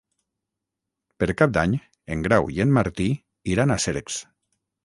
Per Cap d'Any en Grau i en Martí iran a Cercs.